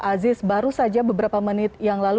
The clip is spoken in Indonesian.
aziz baru saja beberapa menit yang lalu